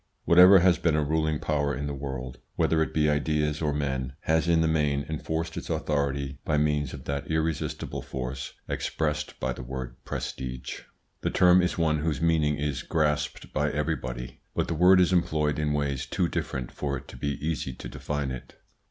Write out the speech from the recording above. Whatever has been a ruling power in the world, whether it be ideas or men, has in the main enforced its authority by means of that irresistible force expressed by the word "prestige." The term is one whose meaning is grasped by everybody, but the word is employed in ways too different for it to be easy to define it.